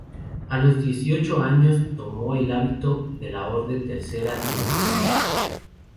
A los dieciocho años tomó el hábito de la Orden Tercera de los dominicos.